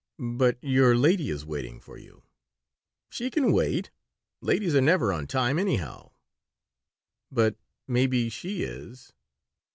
"But your lady is waiting for you." "She can wait. Ladies are never on time, anyhow." "But maybe she is."